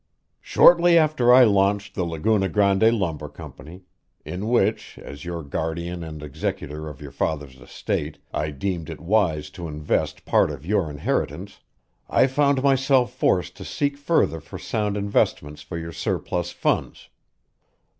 "Shortly after I launched the Laguna Grande Lumber Company in which, as your guardian and executor of your father's estate, I deemed it wise to invest part of your inheritance I found myself forced to seek further for sound investments for your surplus funds.